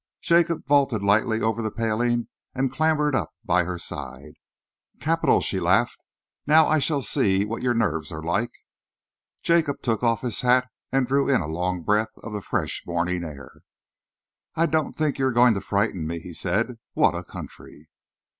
Jacob vaulted lightly over the paling and clambered up by her side. "Capital!" she laughed. "Now I shall see what your nerves are like." Jacob took off his hat and drew in a long breath of the fresh morning air. "I don't think you're going to frighten me," he said. "What a country!"